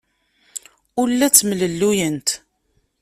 Ur la ttemlelluyent.